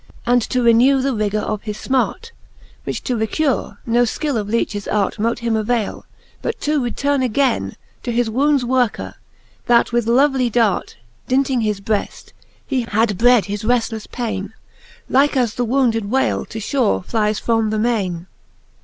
And to renue the rigour of his fmart : Which to recure, no fkill of leaches art Mote him availe, but to returne againe To his wounds worker, that with lovely dart Dinting his breft, had bred his reftleffe paine, Like as the wounded whale to fhore flies from the maine.